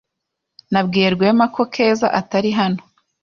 Nabwiye Rwema ko Keza atari hano.